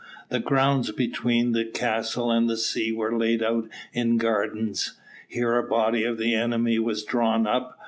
The ground between the castle and the sea was laid out in gardens. Here a body of the enemy was drawn up.